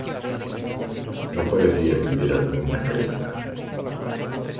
No parecía que hubiera alguna cresta.